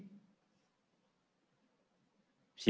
sama dengan kayak space war di era perang dingin